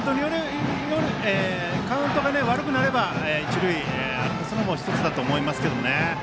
カウントが悪くなれば一塁歩かせるのも１つだと思いますけどね。